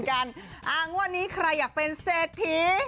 งวดนี้ใครอยากเป็นเศรษฐี